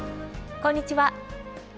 こんにちは。